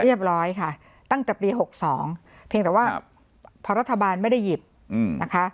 เรียบร้อยค่ะตั้งแต่ปี๖๒เพียงแต่ว่าพอรัฐบาลไม่ได้หยิบนะคะ